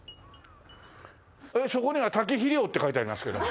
えっそこには「多木肥料」って書いてありますけど。